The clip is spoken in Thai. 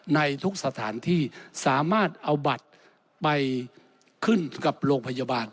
ในทุกสถานที่สามารถเอาบัตรไปขึ้นกับโรงพยาบาล